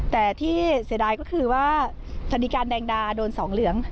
แต่ที่เสียดายก็คือว่าธนิการแดงดาโดนสองเหลือง